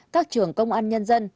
các trường công an nhân dân